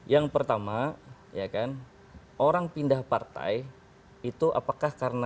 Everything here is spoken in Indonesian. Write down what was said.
yang pertama ya kan orang pindah partai itu apakah karena